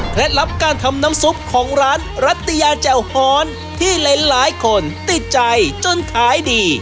เคล็ดลับการทำนำซุปของร้านรัฐยาแจ่วฮรที่หลายหลายคนติดใจจนถ่ายดี